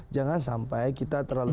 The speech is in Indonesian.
jangan sampai kita terlalu